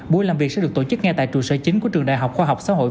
buổi làm việc sẽ được tổ chức ngay tại trụ sở chính của trường đại học khoa học xã hội